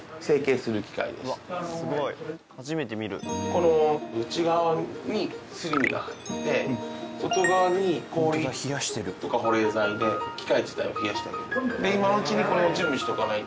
この内側にすり身が入って外側に氷とか保冷剤で機械自体を冷やしてあげる。